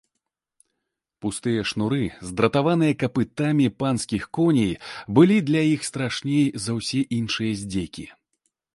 Пустыя шнуры, здратаваныя капытамі панскіх коней, былі для іх страшней за ўсе іншыя здзекі.